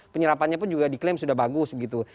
penyerapannya pun juga diklaim sudah bagus gitu